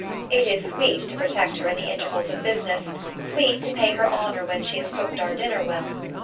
It is sweet to protect her in the intervals of business, sweet to pay her honour when she has cooked our dinner well.